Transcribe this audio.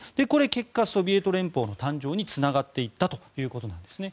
結果、ソビエト連邦の誕生につながっていったということなんですね。